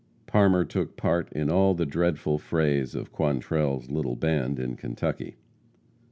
Parmer took part in all the dreadful frays of Quantrell's little band in Kentucky.